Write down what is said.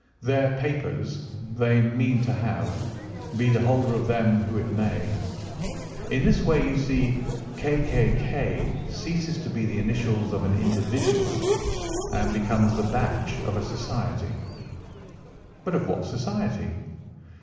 Their papers they mean to have, be the holder of them who it may. In this way you see K. K. K. ceases to be the initials of an individual and becomes the badge of a society." "But of what society?"